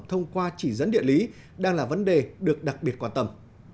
thông qua chỉ dẫn địa lý đang là vấn đề được đặc biệt quan tâm